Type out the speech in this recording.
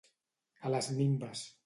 A les minves.